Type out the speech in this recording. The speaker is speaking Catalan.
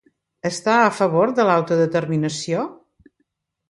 Està a favor de l'autodeterminació?